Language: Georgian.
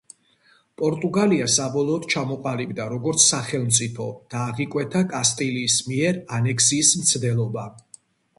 პორტუგალია საბოლოოდ ჩამოყალიბდა როგორც სახელმწიფო და აღიკვეთა კასტილიის მიერ ანექსიის მცდელობა.